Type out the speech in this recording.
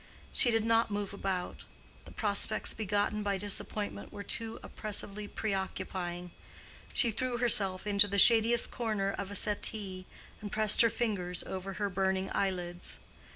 She did not move about; the prospects begotten by disappointment were too oppressively preoccupying; she threw herself into the shadiest corner of a settee, and pressed her fingers over her burning eyelids.